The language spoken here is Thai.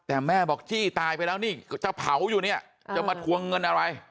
แต่แม่บอกจี้ตายไปแล้วนี่จะเผาอยู่เนี่ยจะมาทวงเงินอะไร